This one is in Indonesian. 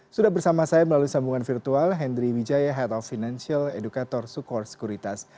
sudah bersama saya melalui sambungan virtual hendry wijaya head of financial educator sukor sekuritas